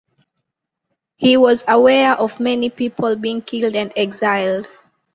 He was aware of many people being killed and exiled.